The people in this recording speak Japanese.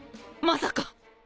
まさか。